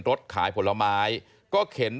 ถ้าเขาถูกจับคุณอย่าลืม